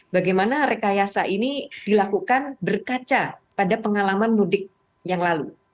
bagaimana rekayasa ini dilakukan berkaca pada pengalaman mudik yang lalu